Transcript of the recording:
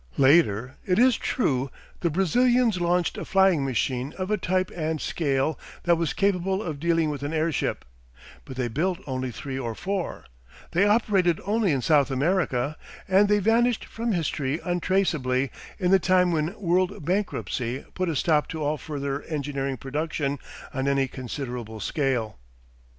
Later, it is true, the Brazilians launched a flying machine of a type and scale that was capable of dealing with an airship, but they built only three or four, they operated only in South America, and they vanished from history untraceably in the time when world bankruptcy put a stop to all further engineering production on any considerable scale.